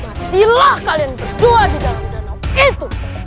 matilah kalian berdua di dalam danau itu